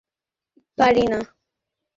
আমরা তো সেরকম কিছু হতে দিতে পারি না, পারি?